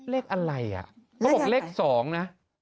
เลขอะไรอ่ะเขาบอกเลข๒นะ